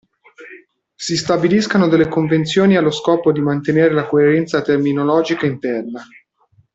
Si stabiliscano delle convenzioni allo scopo di mantenere la coerenza terminologica interna.